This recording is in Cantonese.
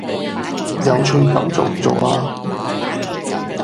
有趣噉做唔做啊？